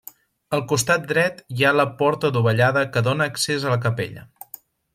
Al costat dret hi ha la porta adovellada que dóna accés a la capella.